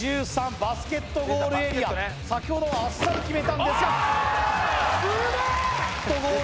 バスケットゴールエリア先ほどはあっさり決めたんですがすげえ！